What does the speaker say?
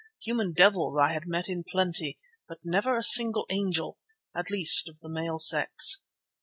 Human devils I had met in plenty, but never a single angel—at least, of the male sex.